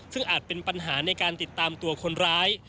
ซึ่งอาจเป็นปัญหาในการติดตามตัวคนร้าย